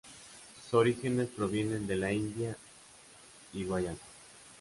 Sus orígenes provienen de la India y Guayana.